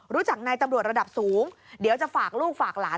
รู้จักนายตำรวจระดับสูงเดี๋ยวจะฝากลูกฝากหลาน